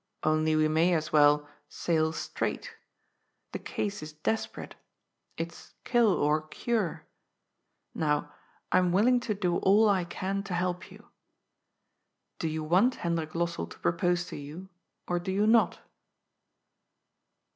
'^ Only we may as well ^ sail straight.' The case is desperate. It's * kill or cure.' Now, I'm willing to do all I can to help you. Do you want Hendrik Lossell to pro pose to you, or do you not